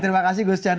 terima kasih gus chandra